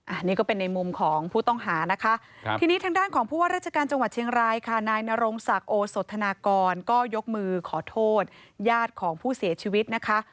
อันนี้ก็เป็นในมุมของผู้ต้องหานะคะทีนี้ทางด้านของผู้ว่าราชการจังหวัดเชียงรายค่ะนายนรงศักดิ์โอสธนากรก็ยกมือขอโทษญาติของผู้เสียชีวิตนะคะ